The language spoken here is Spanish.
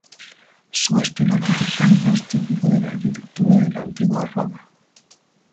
Su estilo arquitectónico es típico de la arquitectura de la Antigua Roma.